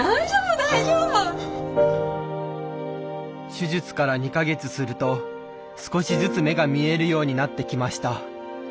手術から２か月すると少しずつ目が見えるようになってきました。